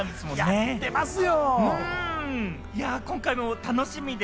やってますよ！